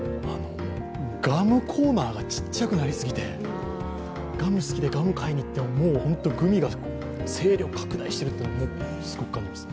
ガムコーナーがちっちゃくなりすぎて、ガム好きでガム買いに行ってもグミが勢力拡大している感じがします。